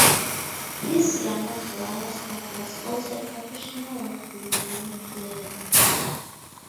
His younger brother Scott was also a professional Rugby Union player.